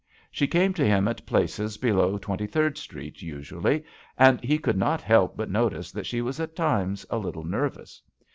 She came to him at places below Twenty third Street usually, and he could not help but notice that she was at times a little nervous.